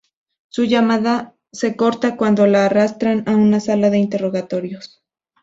Su llamada se corta cuando le arrastran a una sala de interrogatorios.